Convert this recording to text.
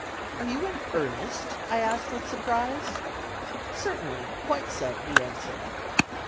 "Are you in earnest?" I asked with surprise. "Certainly, quite so," he answered.